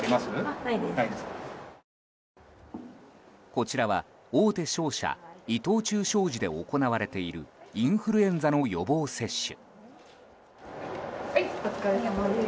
こちらは、大手商社伊藤忠商事で行われているインフルエンザの予防接種。